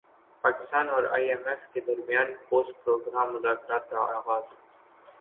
پاکستان اور I M F کے درمیان پوسٹ پروگرام مذاکرات کا اغاز